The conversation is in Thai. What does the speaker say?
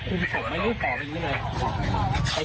คุณส่งไว้ลูกข่อเป็นอย่างนี้เลย